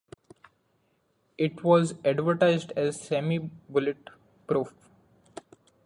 It was advertised as "semi-bullet proof".